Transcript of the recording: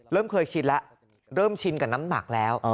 เริ่มเคยชินแล้วเริ่มชินกับน้ำหนักแล้ว